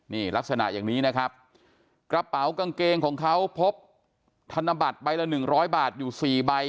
นี่ลักษณะอย่างนี้นะครับกระเป๋ากางเกงของเขาพบธนบัตรใบละหนึ่งร้อยบาทอยู่สี่ใบ